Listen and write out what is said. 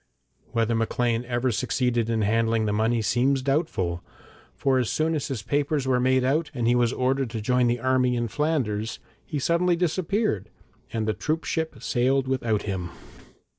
Whether Maclean ever succeeded in handling the money seems doubtful, for as soon as his papers were made out and he was ordered to join the army in Flanders, he suddenly disappeared, and the troopship sailed without him.